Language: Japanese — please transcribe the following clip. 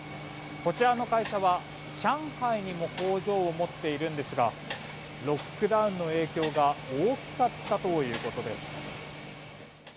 こちらの会社は、上海にも工場を持っているんですがロックダウンの影響が大きかったということです。